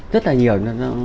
rất là nhiều